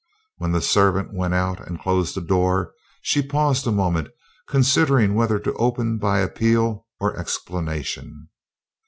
When the servant went out and closed the door, she paused a moment considering whether to open by appeal or explanation.